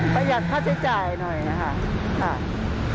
หัดค่าใช้จ่ายหน่อยนะคะ